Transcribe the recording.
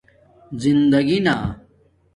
زندگݵ نہ